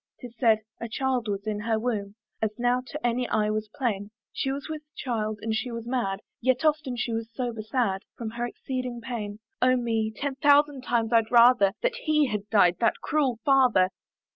'Tis said, a child was in her womb, As now to any eye was plain; She was with child, and she was mad, Yet often she was sober sad From her exceeding pain. Oh me! ten thousand times I'd rather That he had died, that cruel father!